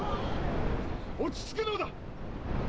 落ち着くのだ！